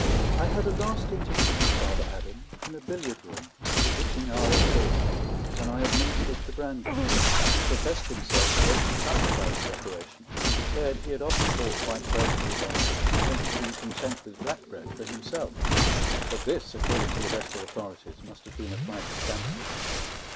I had a last interview with Father Adam in a billiard room at the witching hour of dawn, when I administered the brandy. He professed himself greatly touched by the separation, and declared he had often bought white bread for the donkey when he had been content with black bread for himself; but this, according to the best authorities, must have been a flight of fancy.